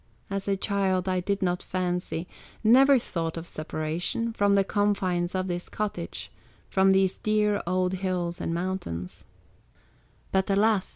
As a child I did not fancy, Never thought of separation From the confines of this cottage, From these dear old hills and mountains, But, alas!